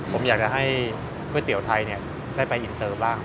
ผมอยากจะให้ก๋วยเตี๋ยวไทยได้ไปอินเตอร์บ้าง